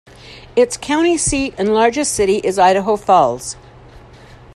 Its county seat and largest city is Idaho Falls.